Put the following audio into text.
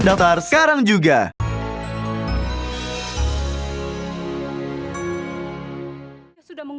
datar sekarang juga